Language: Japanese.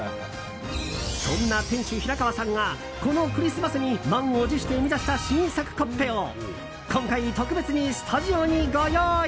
そんな店主・平川さんがこのクリスマスに満を持して生み出した新作コッペを今回、特別にスタジオにご用意。